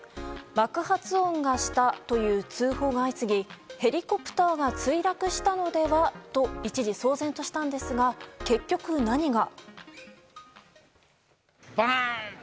爆発音がしたという通報が相次ぎヘリコプターが墜落したのではと一時、騒然としたんですが結局何が？